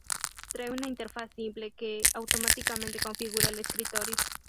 Trae una interfaz simple que automáticamente configura el escritorio.